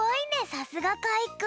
さすがかいくん。